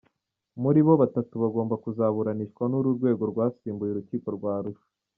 Muri bo, batatu bagomba kuzaburanishwa n’uru rwego rwasimbuye Urukiko rwa Arusha.